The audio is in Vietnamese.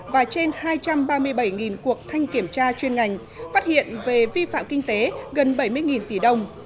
và trên hai trăm ba mươi bảy cuộc thanh kiểm tra chuyên ngành phát hiện về vi phạm kinh tế gần bảy mươi tỷ đồng